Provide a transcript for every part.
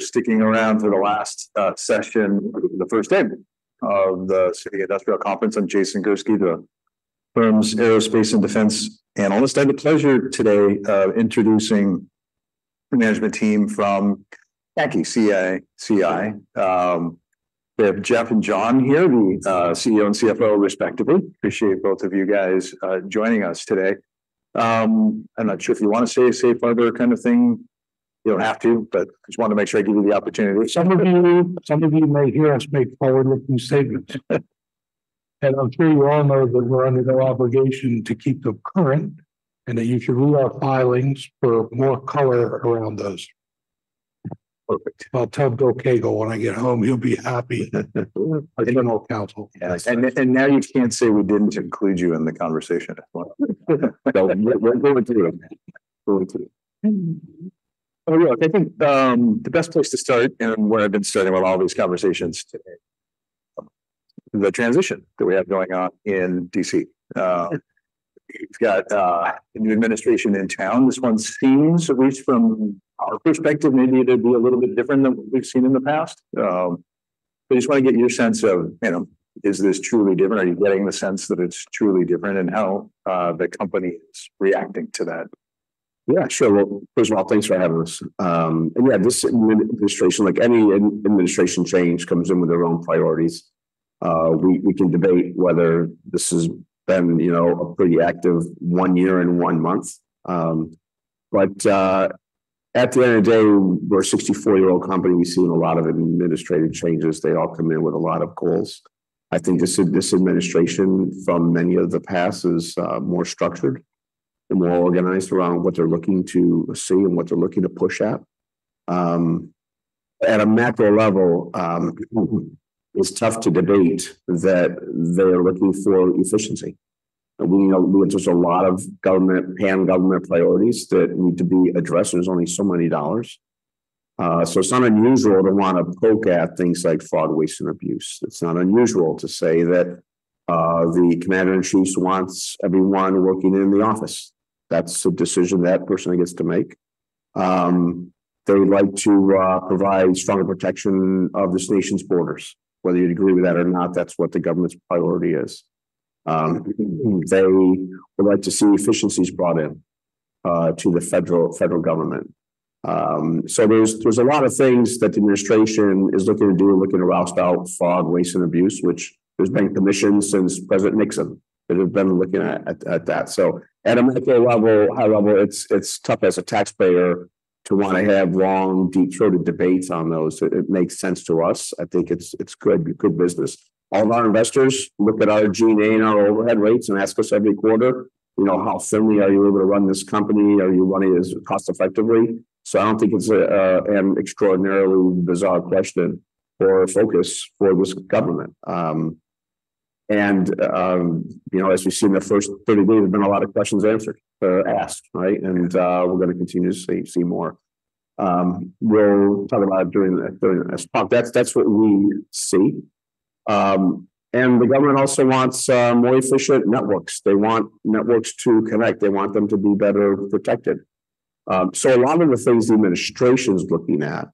Sticking around for the last session, the first day of the Citi Industrial Conference. I'm Jason Gursky, the firm's aerospace and defense analyst. I have the pleasure today of introducing the management team from CACI. We have John and Jeff here, the CEO and CFO, respectively. Appreciate both of you guys joining us today. I'm not sure if you want to say a safe harbor kind of thing. You don't have to, but I just wanted to make sure I give you the opportunity. Some of you may hear us make forward-looking statements, and I'm sure you all know that we're under no obligation to keep them current, and that you should read our filings for more color around those. Perfect. I'll tell Bill Koegel when I get home. He'll be happy. General Counsel. And now you can't say we didn't include you in the conversation. We'll include him. We'll include him. Oh, yeah. I think the best place to start, and where I've been starting with all these conversations today, is the transition that we have going on in DC. We've got a new administration in town. This one seems, at least from our perspective, maybe to be a little bit different than what we've seen in the past. But I just want to get your sense of, is this truly different? Are you getting the sense that it's truly different, and how the company is reacting to that? Yeah. Sure. Well, first of all, thanks for having us. And yeah, this administration, like any administration change, comes in with their own priorities. We can debate whether this has been a pretty active one year and one month. But at the end of the day, we're a 64-year-old company. We've seen a lot of administrative changes. They all come in with a lot of goals. I think this administration, from many of the past, is more structured and more organized around what they're looking to see and what they're looking to push at. At a macro level, it's tough to debate that they are looking for efficiency. We have just a lot of pan-government priorities that need to be addressed, and there's only so many dollars. So it's not unusual to want to poke at things like fraud, waste, and abuse. It's not unusual to say that the Commander in Chief wants everyone working in the office. That's a decision that person gets to make. They'd like to provide stronger protection of this nation's borders. Whether you'd agree with that or not, that's what the government's priority is. They would like to see efficiencies brought in to the federal government. So there's a lot of things that the administration is looking to do, looking to root out fraud, waste, and abuse, which there's been commissions since President Nixon that have been looking at that. So at a macro level, high level, it's tough as a taxpayer to want to have long, deep-throated debates on those. It makes sense to us. I think it's good business. All of our investors look at our G&A and our overhead rates and ask us every quarter, how thinly are you able to run this company? Are you running it cost-effectively? So I don't think it's an extraordinarily bizarre question or focus for this government. And as we've seen in the first 30 days, there have been a lot of questions asked, right? And we're going to continue to see more. We'll talk about it during the next talk. That's what we see, and the government also wants more efficient networks. They want networks to connect. They want them to be better protected, so a lot of the things the administration is looking at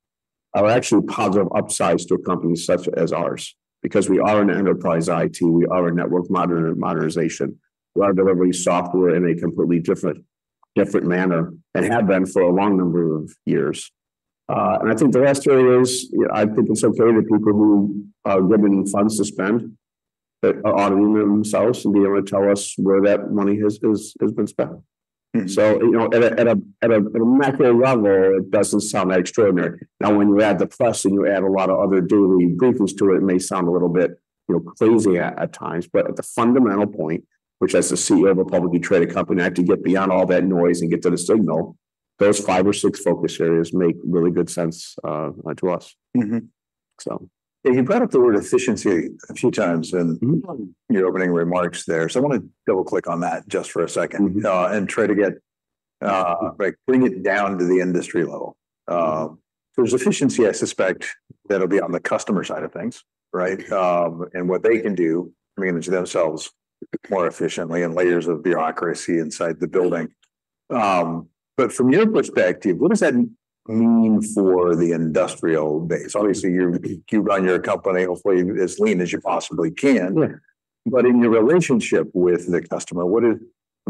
are actually positive upsides to a company such as ours because we are an enterprise IT. We are a network modernization. We are delivering software in a completely different manner and have been for a long number of years, and I think the last area is. I think it's okay that people who are given funds to spend are auditing themselves and being able to tell us where that money has been spent, so at a macro level, it doesn't sound that extraordinary. Now, when you add the press and you add a lot of other daily briefings to it, it may sound a little bit crazy at times, but at the fundamental point, which as the CEO of a publicly traded company I have to get beyond all that noise and get to the signal, those five or six focus areas make really good sense to us. You brought up the word efficiency a few times in your opening remarks there, so I want to double-click on that just for a second and try to bring it down to the industry level. There's efficiency, I suspect, that'll be on the customer side of things, right, and what they can do, I mean, to themselves more efficiently and layers of bureaucracy inside the building, but from your perspective, what does that mean for the industrial base? Obviously, you run your company hopefully as lean as you possibly can. But in your relationship with the customer, what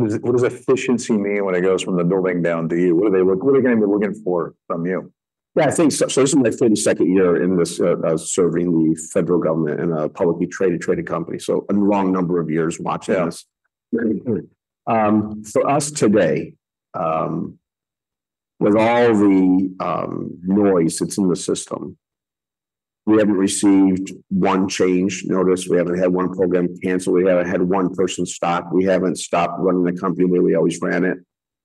does efficiency mean when it goes from the building down to you? What are they going to be looking for from you? Yeah. This is my 32nd year in this, serving the federal government in a publicly traded company. So a long number of years watching this. For us today, with all the noise that's in the system, we haven't received one change notice. We haven't had one program canceled. We haven't had one person stop. We haven't stopped running the company the way we always ran it.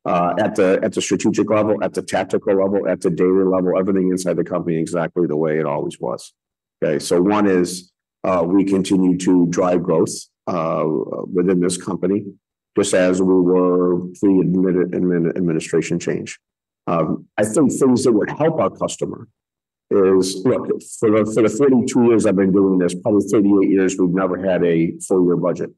At the strategic level, at the tactical level, at the daily level, everything inside the company is exactly the way it always was. Okay. One is we continue to drive growth within this company just as we were pre- and amid the administration change. I think things that would help our customer is, look, for the 32 years I've been doing this, probably 38 years, we've never had a full-year budget.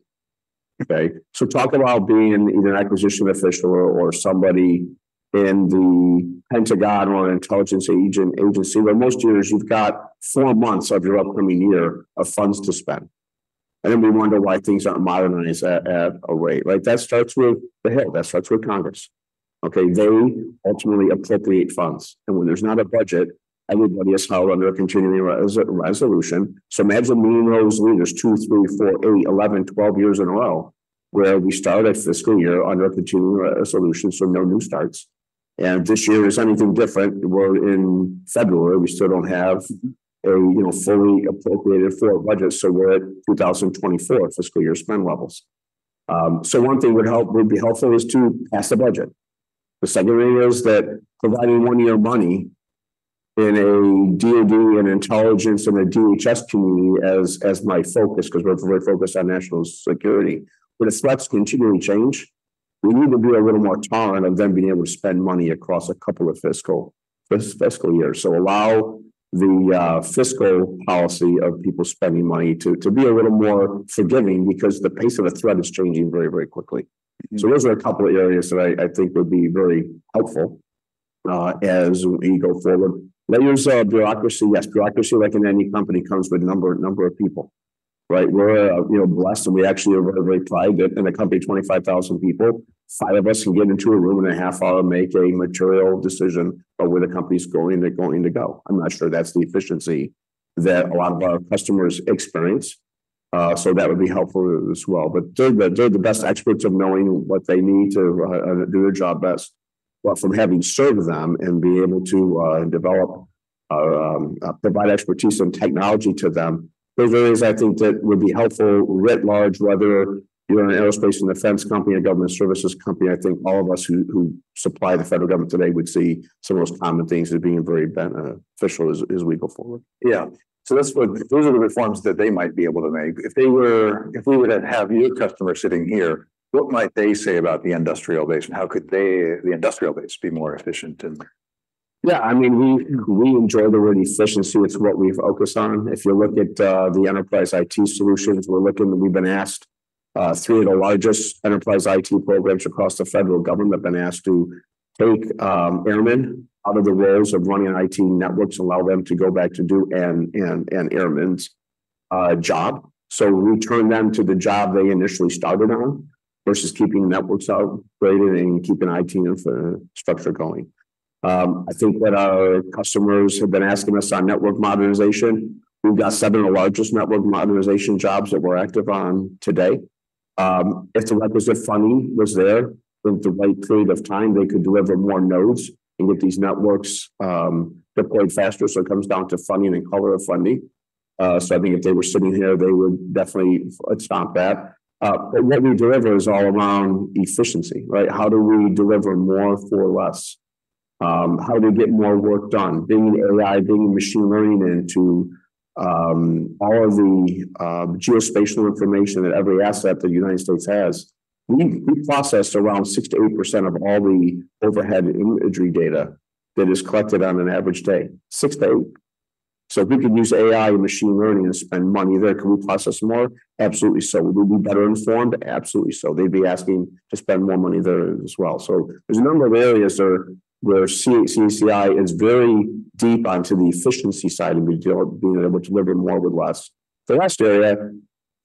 Okay. Talk about being an acquisition official or somebody in the Pentagon or an intelligence agency. Most years, you've got four months of your upcoming year of funds to spend. And then we wonder why things aren't modernized at a rate. That starts with the Hill. That starts with Congress. Okay. They ultimately appropriate funds. And when there's not a budget, everybody is held under a continuing resolution. Imagine meeting those leaders two, three, four, eight, 11, 12 years in a row where we start a fiscal year under a continuing resolution, so no new starts. This year, if there's anything different, we're in February. We still don't have a fully appropriated four budgets. We're at 2024 fiscal year spend levels. One thing that would be helpful is to pass the budget. The second thing is that providing one-year money in a DOD and intelligence and a DHS community as my focus because we're very focused on national security. When the threats continually change, we need to be a little more tolerant of them being able to spend money across a couple of fiscal years. So allow the fiscal policy of people spending money to be a little more forgiving because the pace of the threat is changing very, very quickly. So those are a couple of areas that I think would be very helpful as we go forward. Layers of bureaucracy. Yes, bureaucracy, like in any company, comes with a number of people. Right. We're blessed, and we actually are very, very private. In a company of 25,000 people, five of us can get into a room in a half hour, make a material decision about where the company's going and they're going to go. I'm not sure that's the efficiency that a lot of our customers experience. So that would be helpful as well. But they're the best experts of knowing what they need to do their job best. But from having served them and being able to develop, provide expertise and technology to them, there's areas I think that would be helpful writ large, whether you're an aerospace and defense company or government services company. I think all of us who supply the federal government today would see some of those common things as being very beneficial as we go forward. Yeah. So those are the reforms that they might be able to make. If we were to have your customer sitting here, what might they say about the industrial base, and how could the industrial base be more efficient? Yeah. I mean, we enjoy the word efficiency. It's what we focus on. If you look at the enterprise IT solutions we're looking at, we've been asked three of the largest enterprise IT programs across the federal government have been asked to take airmen out of the roles of running IT networks and allow them to go back to do an airman's job. So we turn them to the job they initially started on versus keeping networks upgraded and keeping IT infrastructure going. I think that our customers have been asking us on network modernization. We've got seven of the largest network modernization jobs that we're active on today. If the requisite funding was there in the right period of time, they could deliver more nodes and get these networks deployed faster. So it comes down to funding and color of funding. I think if they were sitting here, they would definitely stomp that. But what we deliver is all around efficiency, right? How do we deliver more for less? How do we get more work done? Bringing AI, bringing machine learning into all of the geospatial information and every asset that the United States has. We process around 6%-8% of all the overhead imagery data that is collected on an average day. 6 to 8. So if we could use AI and machine learning and spend money there, could we process more? Absolutely so. Would we be better informed? Absolutely so. They'd be asking to spend more money there as well. So there's a number of areas where CACI is very deep onto the efficiency side of being able to deliver more with less. The last area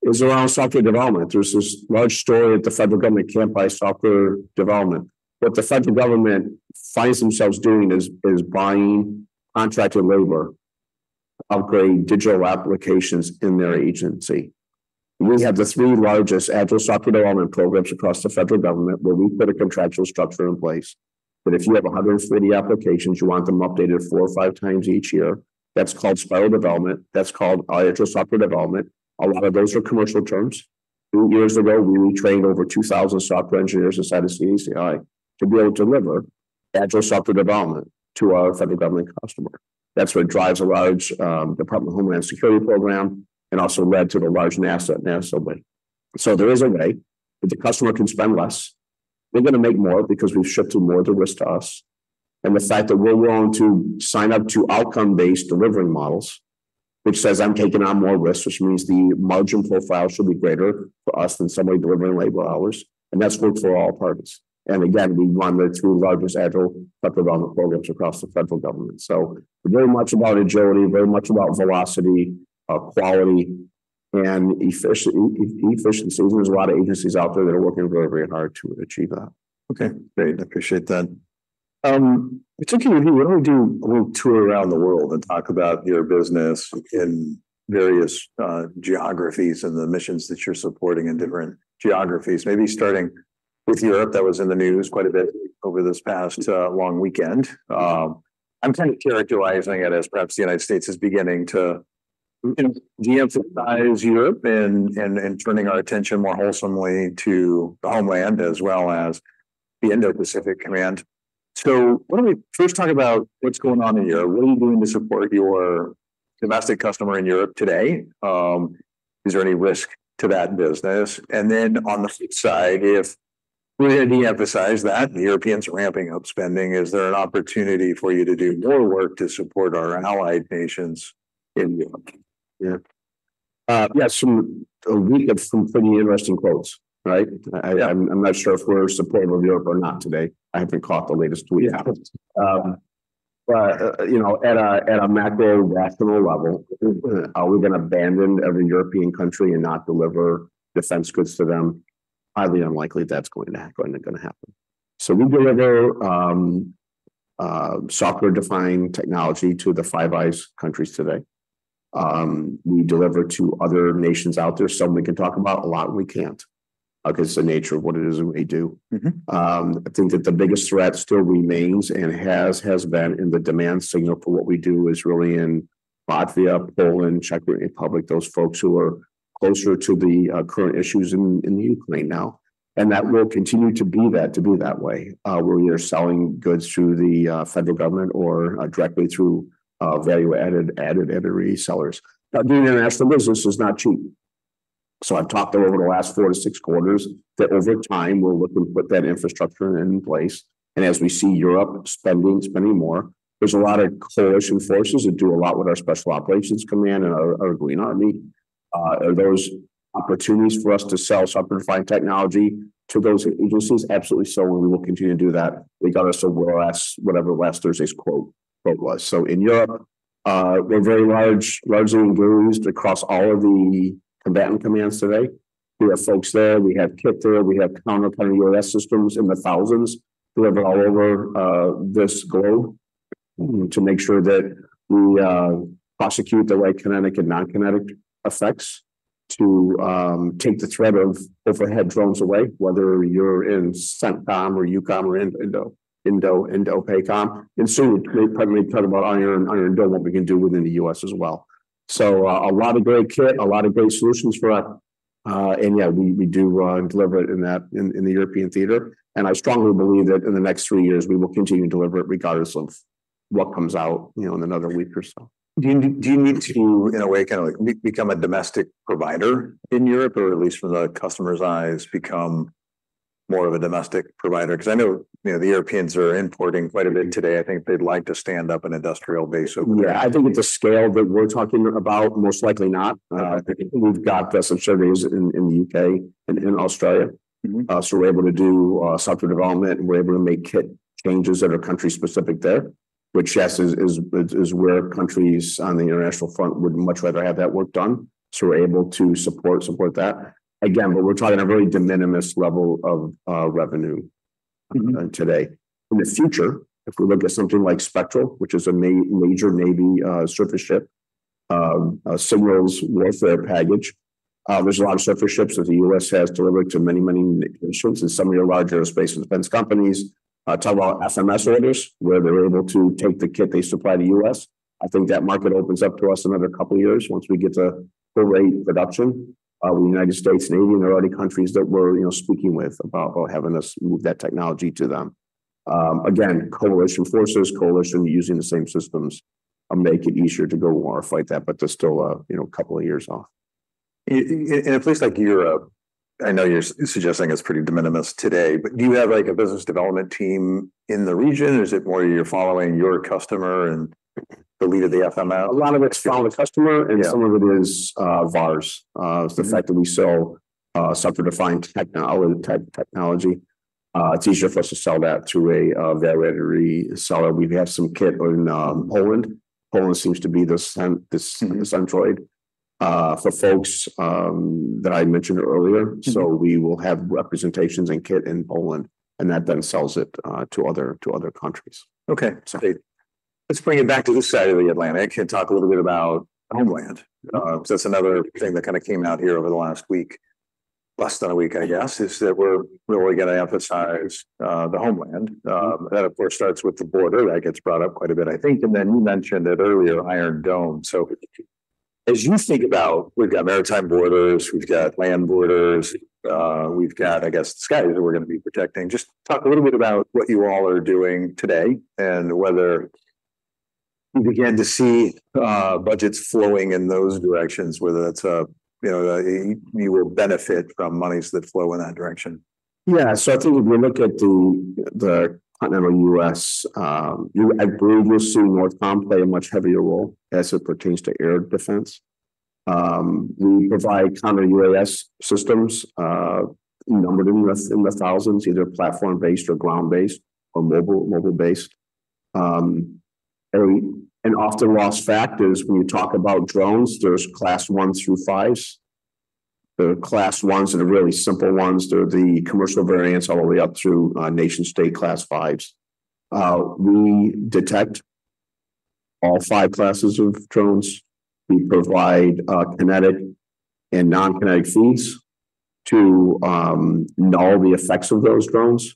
is around software development. There's this large story at the federal government campaign by software development. What the federal government finds themselves doing is buying contracted labor to upgrade digital applications in their agency. We have the three largest Agile software development programs across the federal government where we put a contractual structure in place. But if you have 140 applications, you want them updated four or five times each year. That's called spiral development. That's called Agile software development. A lot of those are commercial terms. Two years ago, we trained over 2,000 software engineers inside of CACI to be able to deliver Agile software development to our federal government customer. That's what drives a large Department of Homeland Security program and also led to the large NASA win. So there is a way that the customer can spend less. We're going to make more because we've shifted more of the risk to us. And the fact that we're willing to sign up to outcome-based delivery models, which says I'm taking on more risk, which means the margin profile should be greater for us than somebody delivering labor hours. And that's good for all parties. And again, we run the three largest Agile software development programs across the federal government. So very much about agility, very much about velocity, quality, and efficiency. There's a lot of agencies out there that are working very, very hard to achieve that. Okay. Great. I appreciate that. I'm thinking if you want to do a little tour around the world and talk about your business in various geographies and the missions that you're supporting in different geographies, maybe starting with Europe that was in the news quite a bit over this past long weekend. I'm kind of characterizing it as perhaps the United States is beginning to de-emphasize Europe and turning our attention more wholesomely to the homeland as well as the Indo-Pacific Command. So why don't we first talk about what's going on in Europe? What are you doing to support your domestic customer in Europe today? Is there any risk to that business? And then on the flip side, if we're going to de-emphasize that, the Europeans are ramping up spending, is there an opportunity for you to do more work to support our allied nations in Europe? Yeah. Yeah. A week of some pretty interesting quotes, right? I'm not sure if we're supportive of Europe or not today. I haven't caught the latest week. But at a macro-rational level, are we going to abandon every European country and not deliver defense goods to them? Highly unlikely that's going to happen. So we deliver software-defined technology to the Five Eyes countries today. We deliver to other nations out there. Some we can talk about, a lot we can't because of the nature of what it is and what we do. I think that the biggest threat still remains and has been in the demand signal for what we do is really in Latvia, Poland, Czech Republic, those folks who are closer to the current issues in the Ukraine now. That will continue to be that way where you're selling goods through the federal government or directly through value-added resellers. Now, doing international business is not cheap. So I've talked to them over the last four to six quarters that over time we'll look and put that infrastructure in place. And as we see Europe spending more, there's a lot of coalition forces that do a lot with our Special Operations Command and our Green Army. Are those opportunities for us to sell software-defined technology to those agencies? Absolutely so. And we will continue to do that. They got us a whatever last Thursday's quote was. So in Europe, we're very large, largely engaged across all of the combatant commands today. We have folks there. We kit there. We have counter-counter UAS systems in the thousands delivered all over this globe to make sure that we prosecute the right kinetic and non-kinetic effects to take the threat of overhead drones away, whether you're in CENTCOM or EUCOM or Indo-PACOM. And soon we'll probably be talking about Iron Dome what we can do within the U.S. as well. So a lot of great kit, a lot of great solutions for us. And yeah, we do deliver it in the European theater. And I strongly believe that in the next three years, we will continue to deliver it regardless of what comes out in another week or so. Do you need to, in a way, kind of become a domestic provider in Europe or at least from the customer's eyes, become more of a domestic provider? Because I know the Europeans are importing quite a bit today. I think they'd like to stand up an industrial base over there. Yeah. I think at the scale that we're talking about, most likely not. We've got some surveys in the U.K. and in Australia. So we're able to do software development. We're able to make kit changes that are country-specific there, which, yes, is where countries on the international front would much rather have that work done. So we're able to support that. Again, but we're talking a very de minimis level of revenue today. In the future, if we look at something like Spectral, which is a major Navy surface ship, signals warfare package, there's a lot of surface ships that the U.S. has delivered to many, many nations and some of your larger space and defense companies. Tell about FMS orders where they're able to take the kit they supply the U.S. I think that market opens up to us in another couple of years once we get to full-rate production. The United States and 80 other countries already that we're speaking with about having us move that technology to them. Again, coalition forces, coalition using the same systems make it easier to go to war or fight that, but there's still a couple of years off. In a place like Europe, I know you're suggesting it's pretty de minimis today, but do you have a business development team in the region? Is it more you're following your customer and the lead of the FMS? A lot of it's following the customer, and some of it is VARs. It's the fact that we sell software-defined technology. It's easier for us to sell that to a value-added reseller. We have some kit in Poland. Poland seems to be the centroid for folks that I mentioned earlier. So we will have representations and kit in Poland, and that then sells it to other countries. Okay. Let's bring it back to this side of the Atlantic and talk a little bit about homeland. So that's another thing that kind of came out here over the last week, less than a week, I guess, is that we're really going to emphasize the homeland. That, of course, starts with the border. That gets brought up quite a bit, I think. And then you mentioned it earlier, Iron Dome. So as you think about, we've got maritime borders. We've got land borders. We've got, I guess, the skies that we're going to be protecting. Just talk a little bit about what you all are doing today and whether you began to see budgets flowing in those directions, whether you will benefit from monies that flow in that direction. Yeah, so I think if we look at the continental U.S., I believe you'll see NORTHCOM play a much heavier role as it pertains to air defense. We provide counter-UAS systems numbered in the thousands, either platform-based or ground-based or mobile-based. And often lost fact is when you talk about drones, there's Class 1 through 5s. There are Class 1s that are really simple ones. There are the commercial variants all the way up through nation-state Class 5s. We detect all five classes of drones. We provide kinetic and non-kinetic feeds to know all the effects of those drones.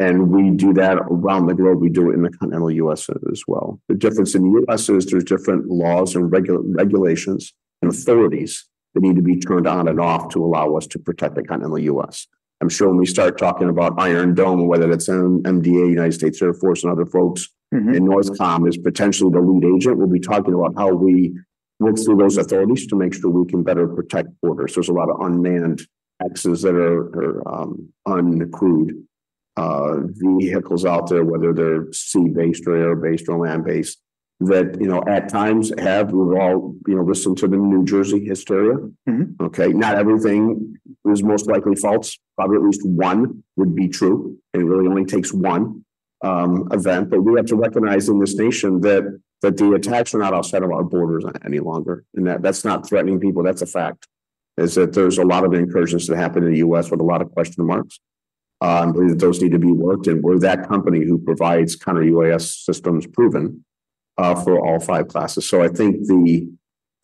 And we do that around the globe. We do it in the continental U.S. as well. The difference in the U.S. is there's different laws and regulations and authorities that need to be turned on and off to allow us to protect the continental U.S. I'm sure when we start talking about Iron Dome, whether it's MDA, United States Air Force, and other folks, and NORTHCOM is potentially the lead agent, we'll be talking about how we work through those authorities to make sure we can better protect borders. There's a lot of unmanned Xs that are uncrewed vehicles out there, whether they're sea-based or air-based or land-based, that at times have. We've all listened to the New Jersey hysteria. Okay. Not everything is most likely false. Probably at least one would be true. It really only takes one event. But we have to recognize in this nation that the attacks are not outside of our borders any longer. And that's not threatening people. That's a fact. Is that there's a lot of incursions that happen in the U.S. with a lot of question marks. I believe that those need to be worked in. We're that company who provides counter-UAS systems proven for all five classes. So I think the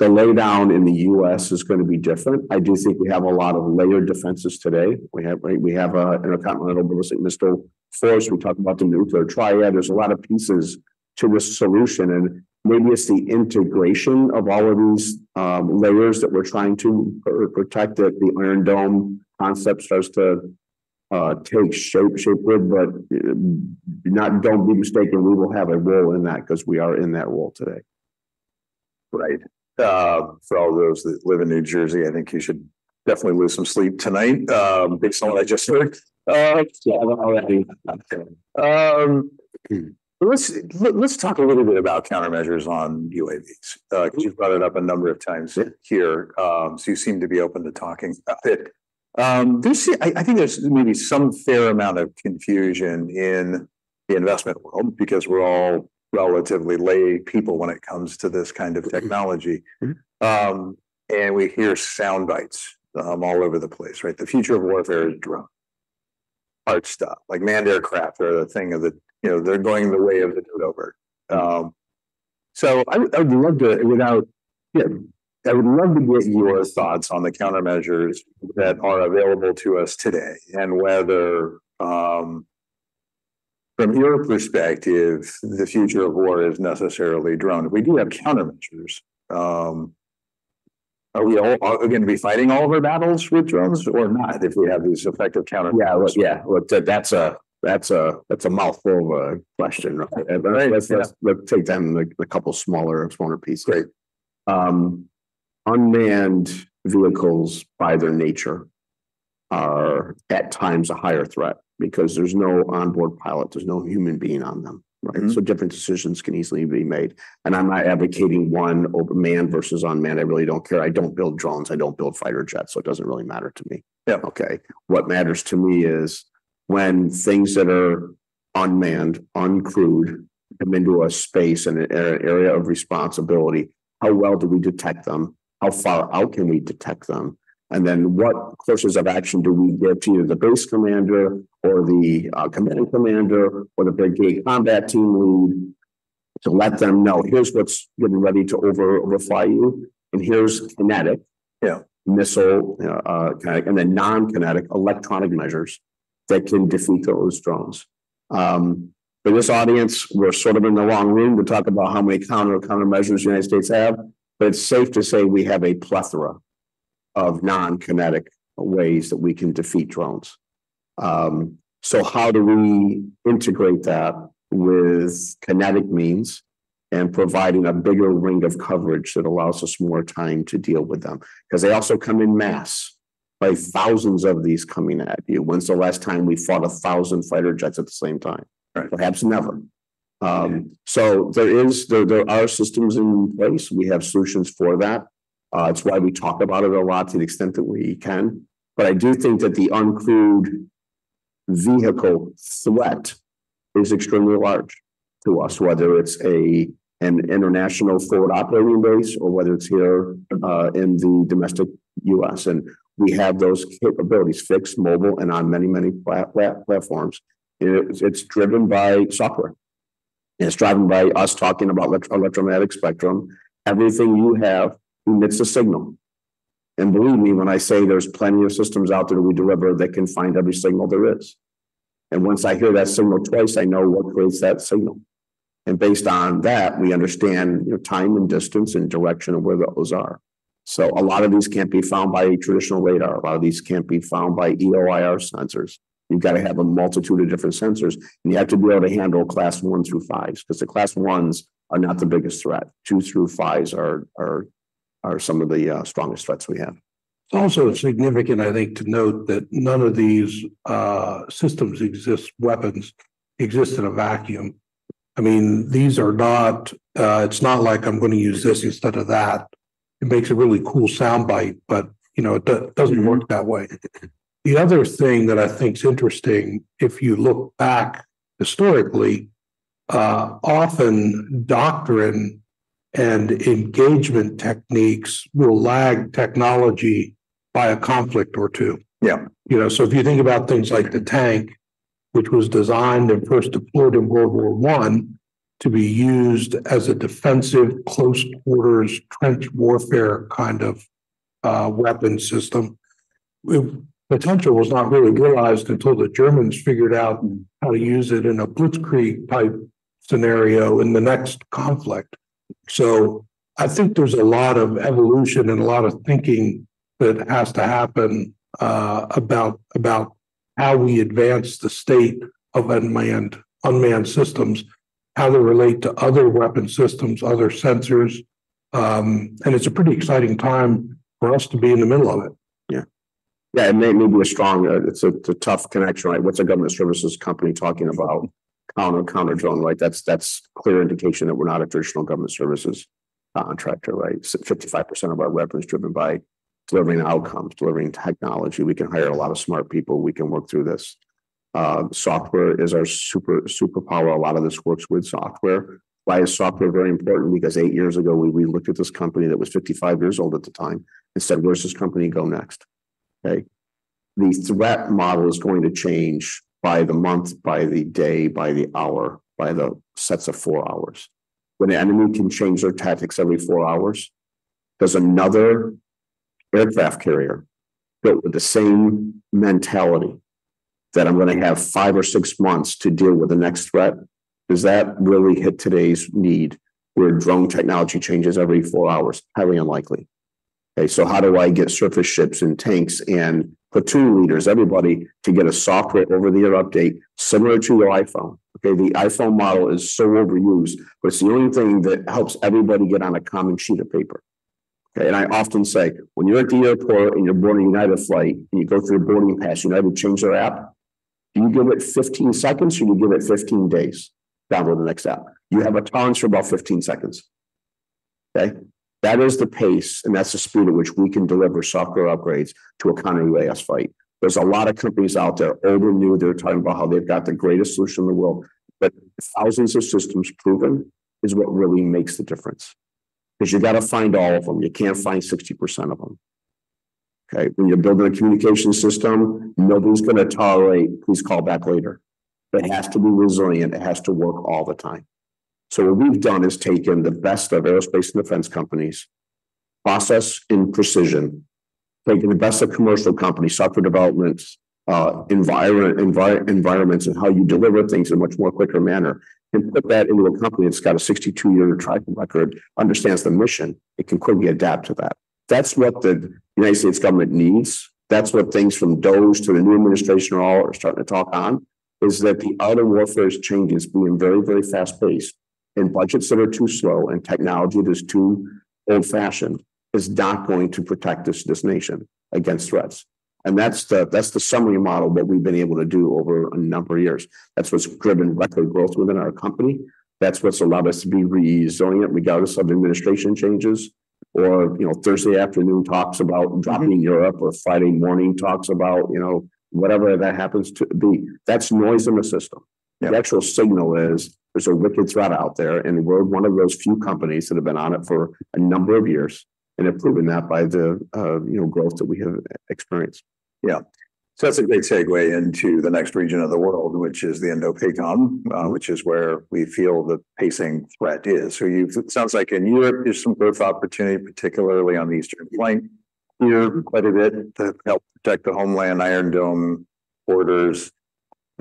lay down in the U.S. is going to be different. I do think we have a lot of layered defenses today. We have intercontinental ballistic missile force. We talk about the nuclear triad. There's a lot of pieces to this solution. And maybe it's the integration of all of these layers that we're trying to protect that the Iron Dome concept starts to take shape. But don't be mistaken. We will have a role in that because we are in that role today. Right. For all those that live in New Jersey, I think you should definitely lose some sleep tonight based on what I just heard. Yeah. Let's talk a little bit about countermeasures on UAVs because you've brought it up a number of times here. So you seem to be open to talking about it. I think there's maybe some fair amount of confusion in the investment world because we're all relatively laypeople when it comes to this kind of technology. And we hear soundbites all over the place, right? The future of warfare is drones. Hard stuff like manned aircraft are the thing of the past. They're going the way of the dodo. So I would love to get your thoughts on the countermeasures that are available to us today and whether from your perspective, the future of war is necessarily drones. We do have countermeasures. Are we all going to be fighting all of our battles with drones or not if we have these effective countermeasures? Yeah. Yeah. That's a mouthful of a question. Let's take them in a couple of smaller pieces. Great. Unmanned vehicles by their nature are at times a higher threat because there's no onboard pilot. There's no human being on them, right? So different decisions can easily be made. And I'm not advocating one manned versus unmanned. I really don't care. I don't build drones. I don't build fighter jets. So it doesn't really matter to me. Yeah. Okay. What matters to me is when things that are unmanned, uncrewed come into a space and an area of responsibility, how well do we detect them? How far out can we detect them? And then what courses of action do we give to either the base commander or the command commander or the brigade combat team lead to let them know, "Here's what's getting ready to overfly you. And here's kinetic, missile, and then non-kinetic electronic measures that can defeat those drones." For this audience, we're sort of in the wrong room to talk about how many countermeasures the United States has. But it's safe to say we have a plethora of non-kinetic ways that we can defeat drones. So how do we integrate that with kinetic means and providing a bigger ring of coverage that allows us more time to deal with them? Because they also come en masse. By thousands of these coming at you. When's the last time we fought a thousand fighter jets at the same time? Perhaps never, so there are systems in place. We have solutions for that. It's why we talk about it a lot to the extent that we can, but I do think that the uncrewed vehicle threat is extremely large to us, whether it's an international forward operating base or whether it's here in the domestic U.S., and we have those capabilities fixed, mobile, and on many, many platforms. It's driven by software. It's driven by us talking about electromagnetic spectrum. Everything you have emits a signal, and believe me, when I say there's plenty of systems out there that we deliver that can find every signal there is, and once I hear that signal twice, I know what creates that signal. And based on that, we understand time and distance and direction of where those are. So a lot of these can't be found by traditional radar. A lot of these can't be found by EO/IR sensors. You've got to have a multitude of different sensors. And you have to be able to handle class one through five because the class ones are not the biggest threat. Two through five are some of the strongest threats we have. Also significant, I think, to note that none of these systems exist, weapons exist in a vacuum. I mean, these are not, it's not like I'm going to use this instead of that. It makes a really cool soundbite, but it doesn't work that way. The other thing that I think is interesting, if you look back historically, often doctrine and engagement techniques will lag technology by a conflict or two. Yeah. So if you think about things like the tank, which was designed and first deployed in World War I to be used as a defensive close quarters trench warfare kind of weapon system. Potential was not really realized until the Germans figured out how to use it in a Blitzkrieg type scenario in the next conflict. So I think there's a lot of evolution and a lot of thinking that has to happen about how we advance the state of unmanned systems, how they relate to other weapon systems, other sensors, and it's a pretty exciting time for us to be in the middle of it. Yeah. Yeah. And maybe a strong, it's a tough connection, right? What's a government services company talking about counter-drone, right? That's clear indication that we're not a traditional government services contractor, right? 55% of our weapons are driven by delivering outcomes, delivering technology. We can hire a lot of smart people. We can work through this. Software is our superpower. A lot of this works with software. Why is software very important? Because eight years ago, we looked at this company that was 55 years old at the time and said, "Where's this company go next?" Okay. The threat model is going to change by the month, by the day, by the hour, by the sets of four hours. When the enemy can change their tactics every four hours, does another aircraft carrier built with the same mentality that I'm going to have five or six months to deal with the next threat really hit today's need where drone technology changes every four hours? Highly unlikely. Okay. So how do I get surface ships and tanks and platoon leaders, everybody to get a software over-the-air update similar to your iPhone? Okay. The iPhone model is so overused, but it's the only thing that helps everybody get on a common sheet of paper. Okay. And I often say, when you're at the airport and you're boarding United flight and you go through your boarding pass, you either scan their app. Do you give it 15 seconds or do you give it 15 days to download the next app? You have a tolerance for about 15 seconds. Okay. That is the pace, and that's the speed at which we can deliver software upgrades to a counter-UAS fight. There's a lot of companies out there, old and new. They're talking about how they've got the greatest solution in the world. But thousands of systems proven is what really makes the difference because you've got to find all of them. You can't find 60% of them. Okay. When you're building a communication system, nobody's going to tolerate, "Please call back later." It has to be resilient. It has to work all the time. So what we've done is taken the best of aerospace and defense companies, process and precision, taken the best of commercial companies, software developments, environments, and how you deliver things in a much more quicker manner, and put that into a company that's got a 62-year track record, understands the mission. It can quickly adapt to that. That's what the United States government needs. That's what things from DOGE to the new administration are all starting to talk on, is that the other warfare's changes being very, very fast-paced and budgets that are too slow and technology that is too old-fashioned is not going to protect this nation against threats. And that's the summary model that we've been able to do over a number of years. That's what's driven record growth within our company. That's what's allowed us to be resilient regardless of administration changes or Thursday afternoon talks about dropping Europe or Friday morning talks about whatever that happens to be. That's noise in the system. The actual signal is there's a wicked threat out there. And we're one of those few companies that have been on it for a number of years. And they've proven that by the growth that we have experienced. Yeah. So that's a great segue into the next region of the world, which is the Indo-PACOM, which is where we feel the pacing threat is. So it sounds like in Europe, there's some growth opportunity, particularly on the eastern flank here quite a bit to help protect the homeland, Iron Dome, borders,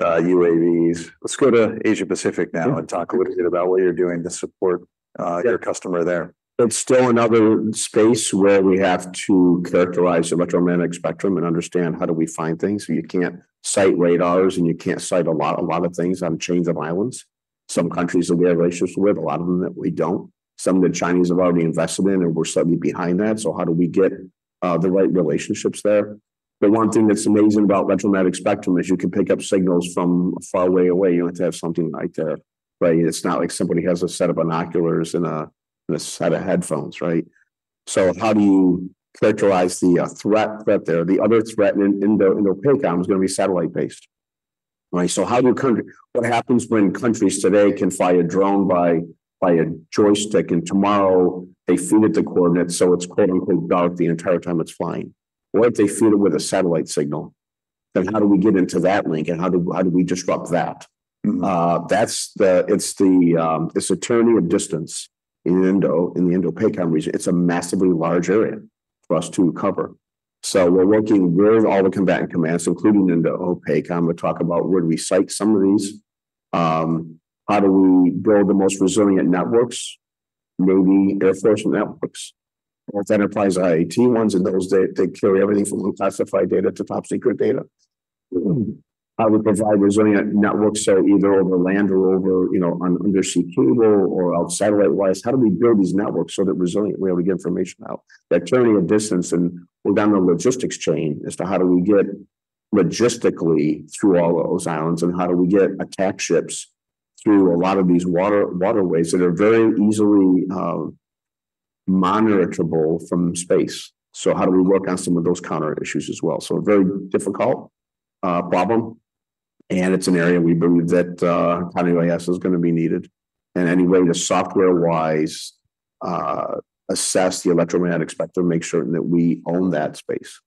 UAVs. Let's go to Asia-Pacific now and talk a little bit about what you're doing to support your customer there. It's still another space where we have to characterize the electromagnetic spectrum and understand how do we find things. You can't site radars and you can't site a lot of things on chains of islands. Some countries that we have relationships with, a lot of them that we don't. Some that Chinese have already invested in and we're slightly behind that. How do we get the right relationships there? The one thing that's amazing about electromagnetic spectrum is you can pick up signals from far away. You don't have to have something right there, right? It's not like somebody has a set of binoculars and a set of headphones, right? How do you characterize the threat there? The other threat in Indo-PACOM is going to be satellite-based, right? So how do you—what happens when countries today can fly a drone by a joystick and tomorrow they feed it the coordinates so it's "dark" the entire time it's flying? What if they feed it with a satellite signal? Then how do we get into that link and how do we disrupt that? It's the tyranny of distance in the Indo-PACOM region. It's a massively large area for us to cover. So we're working with all the combatant commands, including Indo-PACOM. We'll talk about where do we site some of these? How do we build the most resilient networks, Navy, Air Force networks, both enterprise IT ones and those that carry everything from unclassified data to top secret data? How do we provide resilient networks either over land or over undersea cable or satellite-wise? How do we build these networks so that resiliently we get information out? The tyranny of distance and we're down the logistics chain as to how do we get logistically through all those islands and how do we get attack ships through a lot of these waterways that are very easily monitorable from space, so how do we work on some of those counter issues as well, so a very difficult problem, and it's an area we believe that counter-UAS is going to be needed, and any way to software-wise assess the electromagnetic spectrum, make certain that we own that space.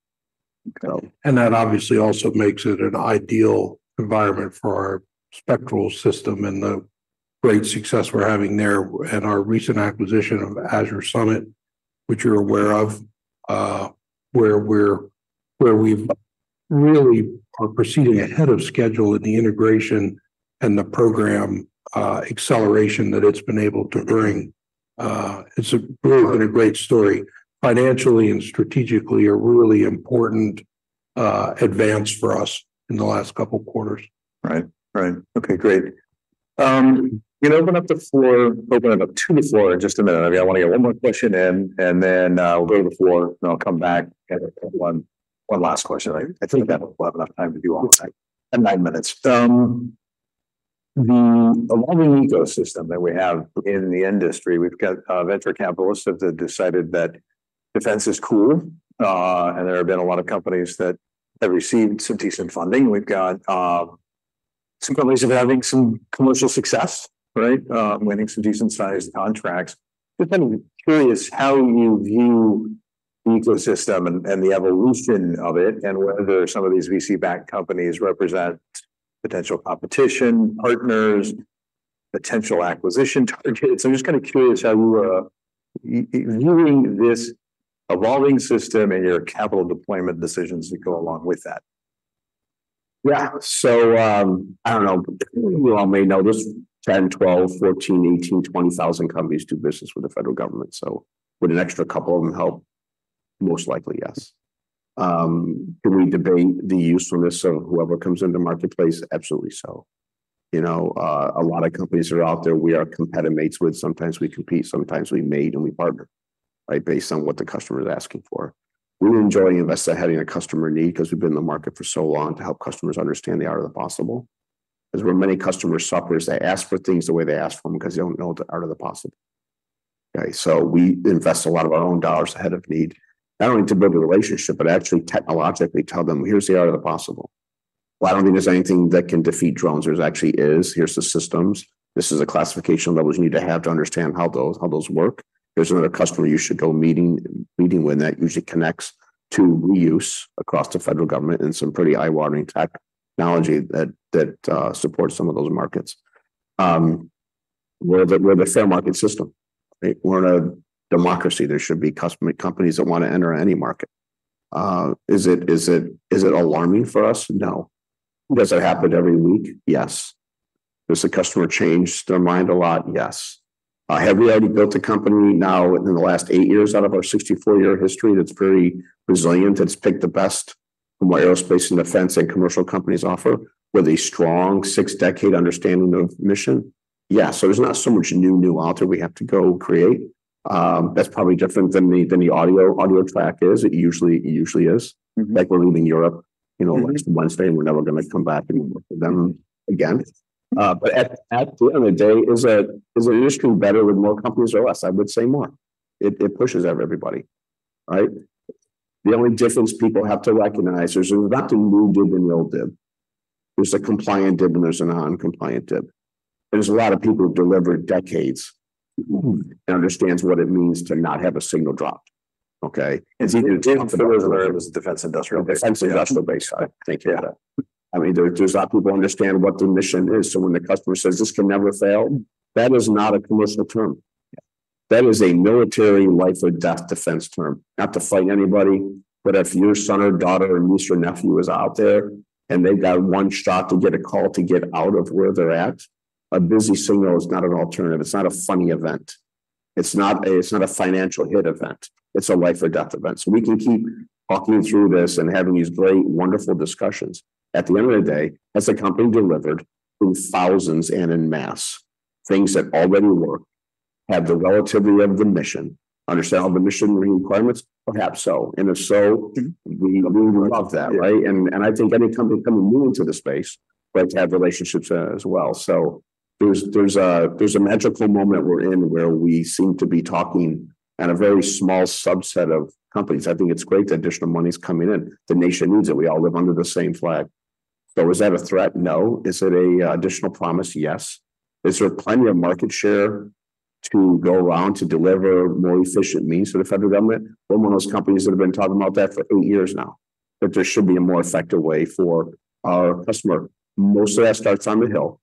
And that obviously also makes it an ideal environment for our Spectral system and the great success we're having there and our recent acquisition of Azure Summit, which you're aware of, where we've really proceeded ahead of schedule in the integration and the program acceleration that it's been able to bring. It's really been a great story. Financially and strategically, a really important advance for us in the last couple of quarters. Right. Right. Okay. Great. I'm going to open up the floor, open it up to the floor in just a minute. I want to get one more question in, and then we'll go to the floor, and I'll come back and have one last question. I think that we'll have enough time to do all of that in nine minutes. The evolving ecosystem that we have in the industry, we've got venture capitalists that have decided that defense is cool, and there have been a lot of companies that have received some decent funding. We've got some companies that are having some commercial success, right? Winning some decent-sized contracts. Just kind of curious how you view the ecosystem and the evolution of it and whether some of these VC-backed companies represent potential competition partners, potential acquisition targets. I'm just kind of curious how you are viewing this evolving system and your capital deployment decisions that go along with that? Yeah. So I don't know. You all may know this. 10, 12, 14, 18, 20 thousand companies do business with the federal government. So would an extra couple of them help? Most likely, yes. Can we debate the usefulness of whoever comes into marketplace? Absolutely so. A lot of companies that are out there, we are competitive mates with. Sometimes we compete, sometimes we mate, and we partner, right, based on what the customer is asking for. We enjoy investing ahead of a customer need because we've been in the market for so long to help customers understand the art of the possible. Because there are many customer sectors that ask for things the way they ask for them because they don't know the art of the possible. Okay. We invest a lot of our own dollars ahead of need, not only to build a relationship, but actually technologically tell them, "Here's the art of the possible." I don't think there's anything that can defeat drones. There actually is. Here's the systems. This is a classification level you need to have to understand how those work. Here's another customer you should go meeting with that usually connects to reuse across the federal government and some pretty eye-watering technology that supports some of those markets. We're the fair market system. We're in a democracy. There should be companies that want to enter any market. Is it alarming for us? No. Does it happen every week? Yes. Does the customer change their mind a lot? Yes. Have we already built a company now within the last eight years out of our 64-year history that's very resilient? It's picked the best from what aerospace and defense and commercial companies offer with a strong six-decade understanding of mission? Yeah. So there's not so much new, new out there we have to go create. That's probably different than the audio track is. It usually is. Like we're leaving Europe next Wednesday, and we're never going to come back and work with them again. But at the end of the day, is an industry better with more companies or less? I would say more. It pushes out everybody, right? The only difference people have to recognize is there's not the new DIB and the old DIB. There's a compliant DIB, and there's a non-compliant DIB. There's a lot of people who've delivered decades and understand what it means to not have a signal dropped, okay? It's either DIB or it was a defense industrial. Defense industrial base. I think you got it. I mean, there's a lot of people who understand what the mission is. So when the customer says, "This can never fail," that is not a commercial term. That is a military life-or-death defense term. Not to fight anybody, but if your son or daughter or niece or nephew is out there and they've got one shot to get a call to get out of where they're at, a busy signal is not an alternative. It's not a funny event. It's not a financial hit event. It's a life-or-death event. So we can keep talking through this and having these great, wonderful discussions. At the end of the day, has a company delivered in thousands and in mass things that already work, have the relativity of the mission, understand all the mission requirements? Perhaps so. And if so, we would love that, right? And I think any company coming new into the space would like to have relationships as well. So there's a magical moment we're in where we seem to be talking at a very small subset of companies. I think it's great that additional money's coming in. The nation needs it. We all live under the same flag. So is that a threat? No. Is it an additional promise? Yes. Is there plenty of market share to go around to deliver more efficient means to the federal government? We're one of those companies that have been talking about that for eight years now, that there should be a more effective way for our customer. Most of that starts on the Hill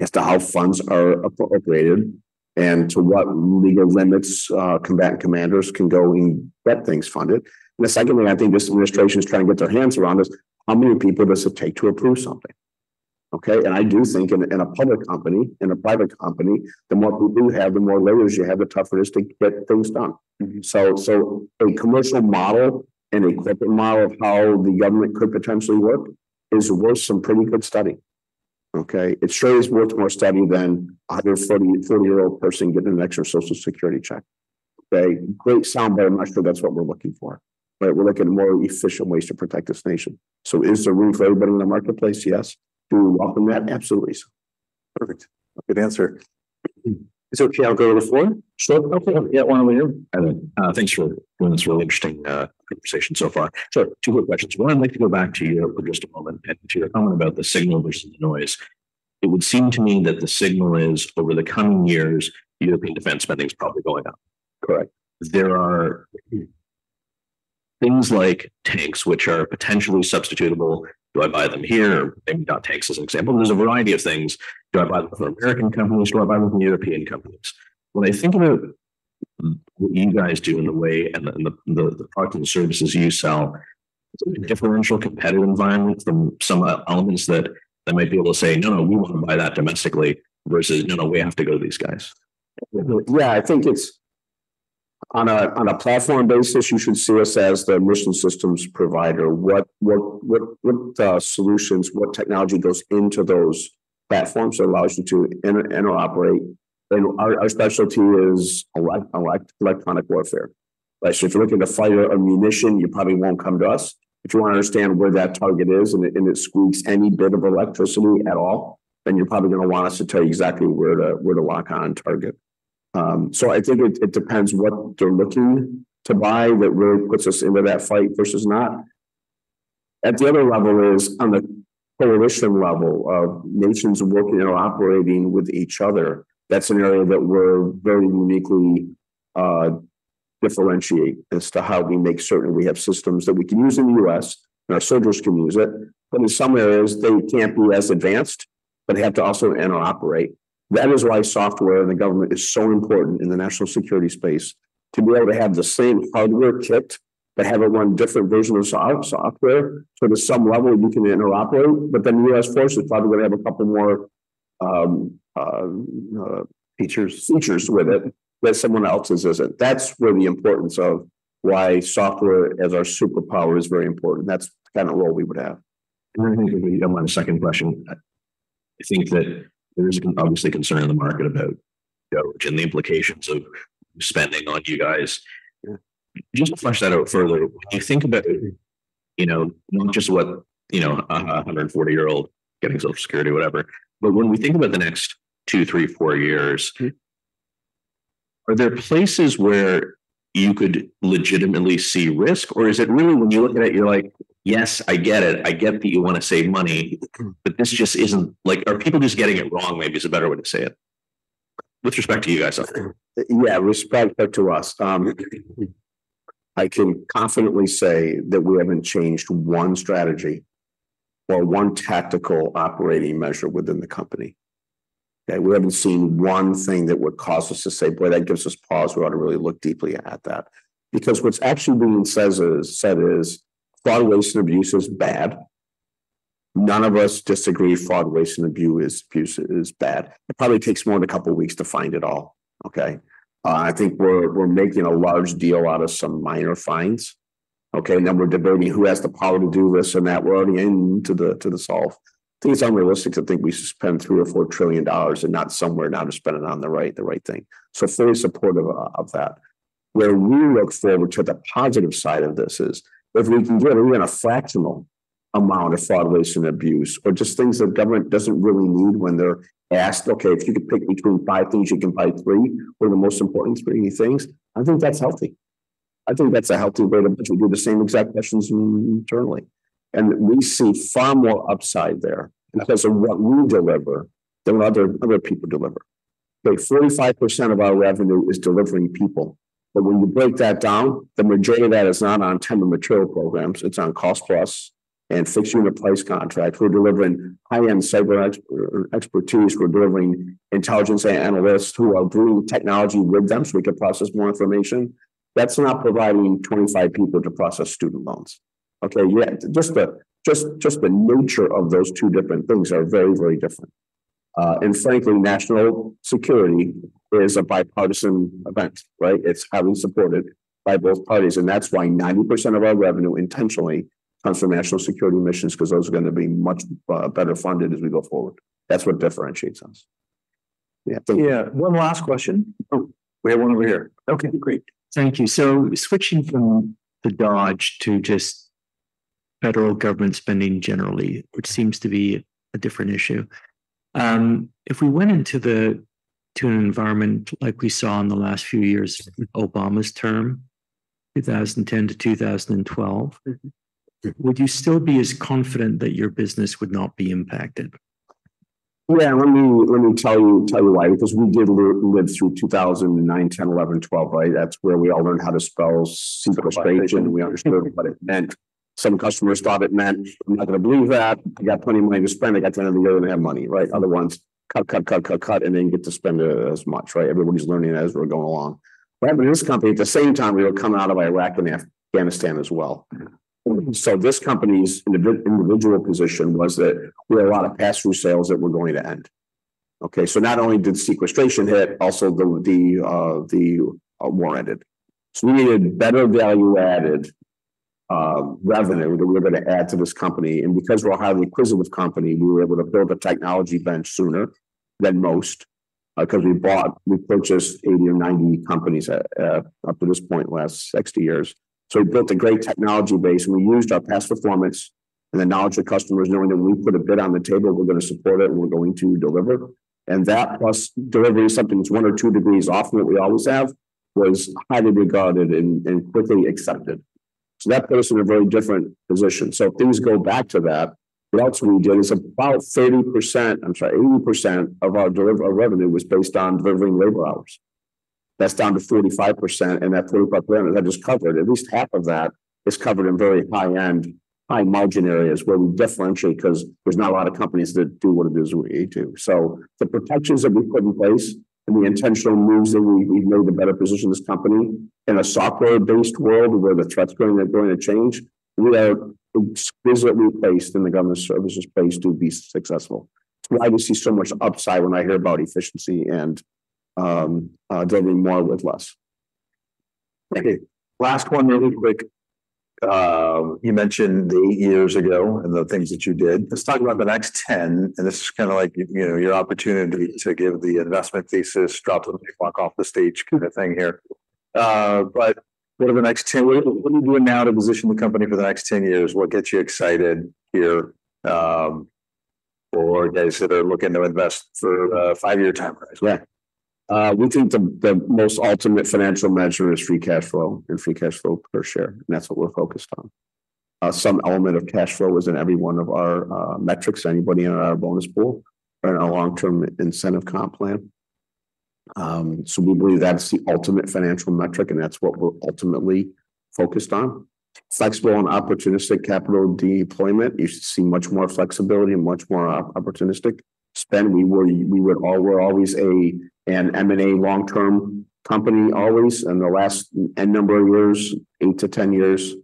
as to how funds are appropriated and to what legal limits combatant commanders can go and get things funded. And the second thing I think this administration is trying to get their hands around is how many people does it take to approve something? Okay. And I do think in a public company, in a private company, the more people you have, the more layers you have, the tougher it is to get things done. So a commercial model and a corporate model of how the government could potentially work is worth some pretty good study. Okay. It sure is worth more study than a 140-year-old person getting an extra Social Security check. Okay. Great sound bite, I'm not sure that's what we're looking for, but we're looking at more efficient ways to protect this nation. So is there room for everybody in the marketplace? Yes. Do we welcome that? Absolutely. Perfect. Good answer. Is it okay if I go to the floor? Sure. Yeah. Want to leave? Thanks for doing this really interesting conversation so far. Sure. Two quick questions. One, I'd like to go back to you for just a moment and to your comment about the signal versus the noise. It would seem to me that the signal is over the coming years, European defense spending is probably going up. Correct. There are things like tanks, which are potentially substitutable. Do I buy them here? Maybe not tanks as an example. There's a variety of things. Do I buy them from American companies? Do I buy them from European companies? When I think about what you guys do and the way and the products and services you sell, is there a differential competitive environment from some elements that might be able to say, "No, no, we want to buy that domestically," versus, "No, no, we have to go to these guys"? Yeah. I think on a platform basis, you should see us as the mission systems provider. What solutions, what technology goes into those platforms that allows you to interoperate? And our specialty is electronic warfare. So if you're looking to fight a munition, you probably won't come to us. If you want to understand where that target is and it squeaks any bit of electricity at all, then you're probably going to want us to tell you exactly where to lock on target. So I think it depends what they're looking to buy that really puts us into that fight versus not. At the other level is on the coalition level of nations working and operating with each other. That's an area that we're very uniquely differentiate as to how we make certain we have systems that we can use in the U.S. and our soldiers can use it. But in some areas, they can't be as advanced, but they have to also interoperate. That is why software and the government is so important in the national security space to be able to have the same hardware kit but have a different version of software so that some level you can interoperate. But then the U.S. force is probably going to have a couple more features with it that someone else's isn't. That's where the importance of why software as our superpower is very important. That's kind of the role we would have. I think that you don't mind the second question. I think that there is obviously concern in the market about DOGE and the implications of spending on you guys. Just to flesh that out further, when you think about not just what a 140-year-old getting Social Security or whatever, but when we think about the next two, three, four years, are there places where you could legitimately see risk? Or is it really when you look at it, you're like, "Yes, I get it. I get that you want to save money, but this just isn't"? Are people just getting it wrong? Maybe is a better way to say it. With respect to you guys. Yeah. With respect to us, I can confidently say that we haven't changed one strategy or one tactical operating measure within the company. Okay. We haven't seen one thing that would cause us to say, "Boy, that gives us pause. We ought to really look deeply at that." Because what's actually being said is fraud, waste, and abuse is bad. None of us disagree fraud, waste, and abuse is bad. It probably takes more than a couple of weeks to find it all. Okay. I think we're making a large deal out of some minor fines. Okay. And then we're debating who has the power to do this and that. We're already into the solve. I think it's unrealistic to think we spend $3-$4 trillion and not somewhere now to spend it on the right thing. So fully supportive of that. Where we look forward to the positive side of this is if we can get even a fractional amount of fraud, waste, and abuse, or just things that government doesn't really need when they're asked, "Okay. If you could pick between five things, you can buy three. What are the most important three things?" I think that's healthy. I think that's a healthy way to do the same exact questions internally. And we see far more upside there because of what we deliver than what other people deliver. Okay. 45% of our revenue is delivering people. But when you break that down, the majority of that is not on time and material programs. It's on cost-plus and fixed unit price contracts. We're delivering high-end cyber expertise. We're delivering intelligence analysts who are bringing technology with them so we can process more information. That's not providing 25 people to process student loans. Okay. Just the nature of those two different things are very, very different. And frankly, national security is a bipartisan event, right? It's highly supported by both parties. And that's why 90% of our revenue intentionally comes from national security missions because those are going to be much better funded as we go forward. That's what differentiates us. Yeah. Thank you. Yeah. One last question. We have one over here. Okay. Great. Thank you. So switching from the DOGE to just federal government spending generally, which seems to be a different issue. If we went into an environment like we saw in the last few years of Obama's term, 2010 to 2012, would you still be as confident that your business would not be impacted? Yeah. Let me tell you why. Because we did live through 2009, 2010, 2011, 2012, right? That's where we all learned how to spell sequestration. We understood what it meant. Some customers thought it meant, "I'm not going to believe that. I got plenty of money to spend. I got to end of the year and have money," right? Other ones, cut, cut, cut, cut, cut, and then you get to spend as much, right? Everybody's learning as we're going along. But in this company, at the same time, we were coming out of Iraq and Afghanistan as well. So this company's individual position was that we had a lot of pass-through sales that were going to end. Okay. So not only did sequestration hit, also the war ended. So we needed better value-added revenue that we were going to add to this company. Because we're a highly acquisitive company, we were able to build a technology bench sooner than most because we purchased 80 or 90 companies up to this point in the last 60 years. So we built a great technology base, and we used our past performance and the knowledge of customers knowing that when we put a bid on the table, we're going to support it, and we're going to deliver. And that plus delivery is something that's one or two degrees off from what we always have was highly regarded and quickly accepted. So that put us in a very different position. So if things go back to that, what else we did is about 30%. I'm sorry, 80% of our revenue was based on delivering labor hours. That's down to 45%. And that 45%, that is covered. At least half of that is covered in very high-end, high-margin areas where we differentiate because there's not a lot of companies that do what it is we need to. So the protections that we put in place and the intentional moves that we've made to better position this company in a software-based world where the threats are going to change, we are exquisitely placed in the government services space to be successful. I just see so much upside when I hear about efficiency and delivering more with less. Okay. Last one, really quick. You mentioned the eight years ago and the things that you did. Let's talk about the next 10. And this is kind of like your opportunity to give the investment thesis, drop the mic off the stage kind of thing here. But what are the next 10? What are you doing now to position the company for the next 10 years? What gets you excited here for guys that are looking to invest for a five-year time horizon? Yeah. We think the most ultimate financial measure is free cash flow and free cash flow per share. And that's what we're focused on. Some element of cash flow is in every one of our metrics, anybody in our bonus pool or in our long-term incentive comp plan. So we believe that's the ultimate financial metric, and that's what we're ultimately focused on. Flexible and opportunistic capital deployment. You should see much more flexibility and much more opportunistic spend. We were always an M&A long-term company always. And the last n number of years, 8 to 10 years,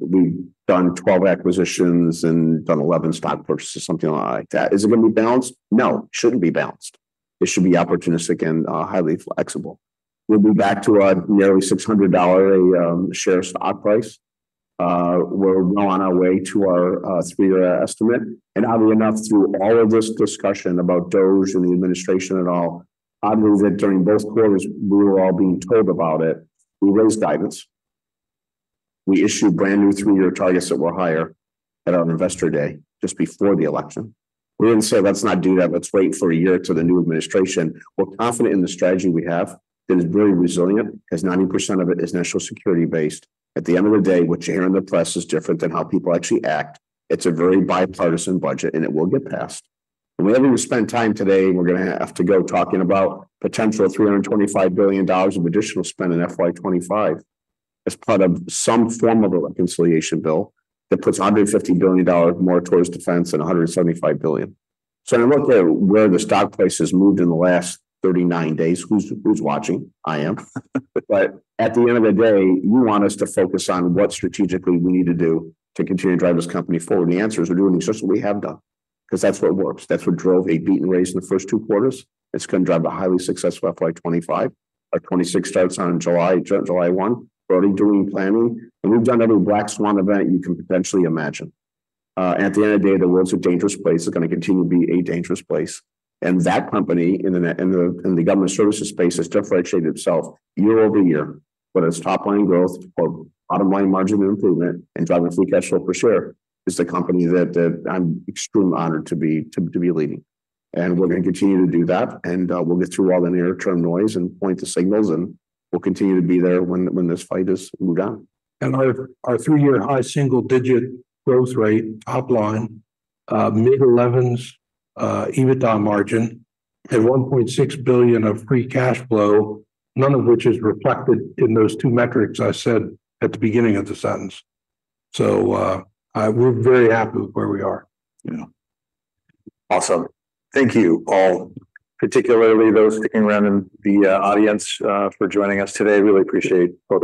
we've done 12 acquisitions and done 11 stock purchases, something like that. Is it going to be balanced? No. It shouldn't be balanced. It should be opportunistic and highly flexible. We'll be back to a nearly $600 share stock price. We're well on our way to our three-year estimate. And oddly enough, through all of this discussion about DOGE and the administration and all, oddly that during both quarters, we were all being told about it. We raised guidance. We issued brand new three-year targets that were higher at our investor day just before the election. We didn't say, "Let's not do that. Let's wait for a year to the new administration." We're confident in the strategy we have that is very resilient because 90% of it is national security based. At the end of the day, what you hear in the press is different than how people actually act. It's a very bipartisan budget, and it will get passed. Wherever we spend time today, we're going to have to go talking about potential $325 billion of additional spend in FY25 as part of some form of a reconciliation bill that puts $150 billion more towards defense than $175 billion. When I look at where the stock price has moved in the last 39 days, who's watching? I am. At the end of the day, you want us to focus on what strategically we need to do to continue to drive this company forward. The answer is we're doing exactly what we have done because that's what works. That's what drove a beat and raise in the first two quarters. It's going to drive a highly successful FY25. Our '26 starts on July 1. We're already doing planning. We've done every black swan event you can potentially imagine. At the end of the day, the world's a dangerous place. It's going to continue to be a dangerous place. And that company in the government services space has differentiated itself year over year. Whether it's top-line growth or bottom-line margin improvement and driving free cash flow per share is the company that I'm extremely honored to be leading. And we're going to continue to do that. And we'll get through all the near-term noise and point the signals. And we'll continue to be there when this fight is moved on. Our three-year high single-digit growth rate top line, mid-11s EBITDA margin, and $1.6 billion of free cash flow, none of which is reflected in those two metrics I said at the beginning of the sentence. We're very happy with where we are. Yeah. Awesome. Thank you all, particularly those sticking around in the audience for joining us today. Really appreciate it.